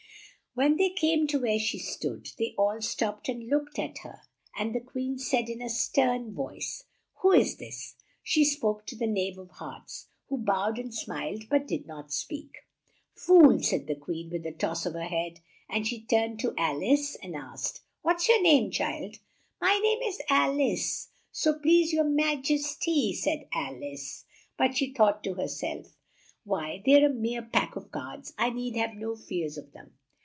When they came to where she stood, they all stopped and looked at her, and the Queen said in a stern voice, "Who is this?" She spoke to the Knave of Hearts, who bowed and smiled but did not speak. "Fool!" said the Queen with a toss of her head; then she turned to Al ice and asked, "What's your name, child?" "My name is Al ice, so please your ma jes ty," said Al ice, but she thought to her self, "Why they're a mere pack of cards. I need have no fears of them."